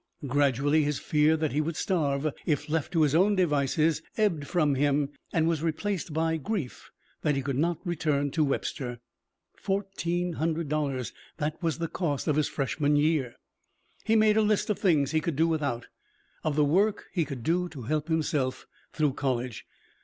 Gradually his fear that he would starve if left to his own devices ebbed from him, and it was replaced by grief that he could not return to Webster. Fourteen hundred dollars that was the cost of his freshman year. He made a list of the things he could do without, of the work he could do to help himself through college.